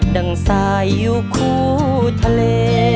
ั่งสายอยู่คู่ทะเล